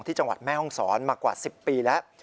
ที่จังหวัดแม่ห้องศรมากว่า๑๐ปีแล้ว